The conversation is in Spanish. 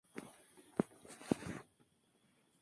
Al oriente el terreno es quebrado, montañoso y selvático.